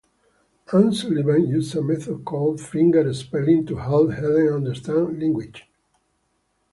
Anne Sullivan used a method called finger spelling to help Helen understand language.